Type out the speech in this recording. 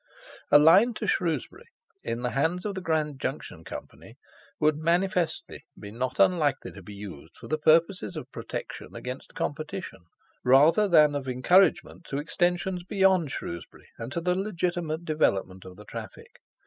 A line to Shrewsbury, in the hands of the Grand Junction Company, would manifestly be not unlikely to be used for the purposes of protection against competition, rather than of encouragement to Extensions beyond Shrewsbury, and to the legitimate development of the traffic.